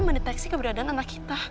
mendeteksi keberadaan anak kita